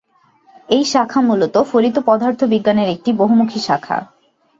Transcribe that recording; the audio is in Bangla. এই শাখা মূলত ফলিত পদার্থবিজ্ঞানের একটি বহুমুখী শাখা।